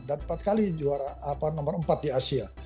dan empat kali juara nomor empat di asia